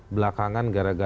belakangan gara gara hari bulan